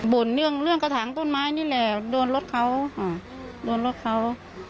่นเรื่องเรื่องกระถางต้นไม้นี่แหละโดนรถเขาโดนรถเขา